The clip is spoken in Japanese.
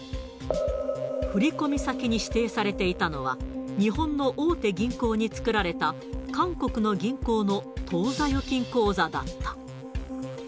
振り込み先に指定されていたのは、日本の大手銀行に作られた、韓国の銀行の当座預金口座だった。